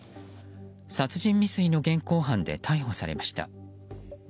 殺人未遂の現行犯で逮捕されました。